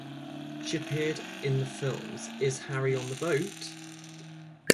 She appeared in the films Is Harry on the Boat?